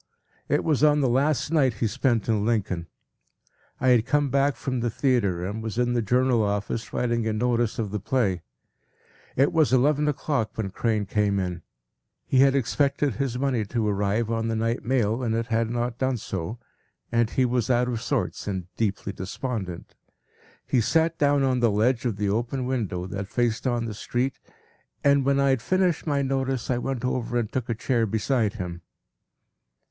It was on the last night he spent in Lincoln. I had come back from the theatre and was in the Journal office writing a notice of the play. It was eleven o’clock when Crane came in. He had expected his money to arrive on the night mail and it had not done so, and he was out of sorts and deeply despondent. He sat down on the ledge of the open window that faced on the street, and when I had finished my notice I went over and took a chair beside him.